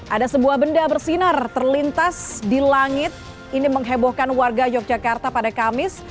ada sebuah benda bersinar terlintas di langit ini menghebohkan warga yogyakarta pada kamis